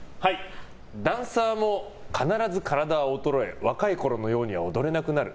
ダンサーも必ず体は衰え若いころのようには踊れなくなる。